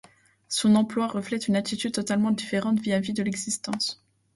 Son emploi reflète une attitude totalement différente vis-à-vis de l'existence.